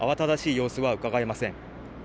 様子はうかがえません。